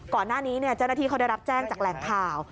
ก่อนหน้านี้เจ้าหน้าที่เขาได้รับแจ้งจากแหล่งข่าว